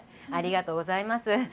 ありがとうございます。